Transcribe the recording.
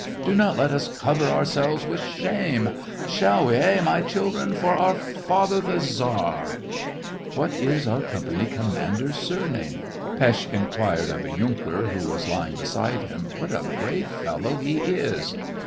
Do not let us cover ourselves with shame — shall we, hey, my children .? For our father the Tsar !"" What is our company commander's sur name }" Pesth inquired of a yunker, who was lying beside him. " What a brave fellow he is